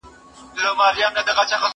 ږغ د زهشوم له خوا اورېدل کيږي!.